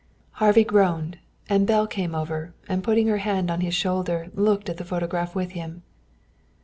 Harvey groaned and Belle came over and putting her hand on his shoulder looked at the photograph with him.